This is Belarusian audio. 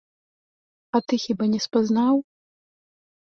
А ты хіба не спазнаў?